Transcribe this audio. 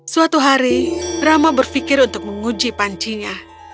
suatu hari rama berpikir untuk menguji pancinya